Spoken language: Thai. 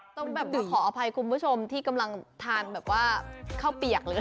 แบบเดี๋ยวขออภัยคุณผู้ชมที่กำลังทานแบบว่าข้าวเปียกเลย